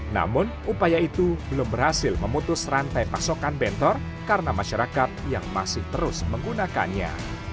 namun upaya itu belum berhasil memutus rantai pasokan bentor karena masyarakat yang masih terus menggunakannya